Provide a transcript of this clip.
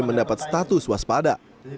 mendapat status waspada